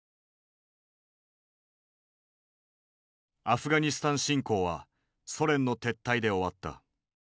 アフガニスタン侵攻はソ連の撤退で終わった。